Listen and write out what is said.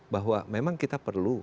bahwa memang kita perlu